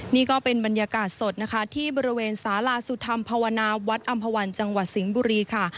นี่ก็เป็นบรรยากาศสดนะคะที่บริเวณสาลาสุธรรมภาวนาวัดอำภาวันจังหวัดสิงห์บุรีค่ะ